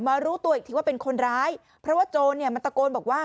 รู้ตัวอีกทีว่าเป็นคนร้ายเพราะว่าโจรเนี่ยมันตะโกนบอกว่า